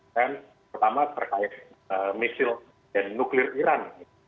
dan pertama terkait misil dan nuklir iran